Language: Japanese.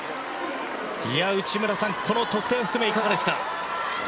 内村さん、この得点を含めいかがですか？